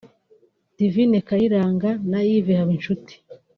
Divin Kayiranga na Yves Habinshuti